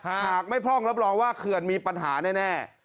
หากไม่พร่องรับรองว่าเขื่อนมีปัญหาแน่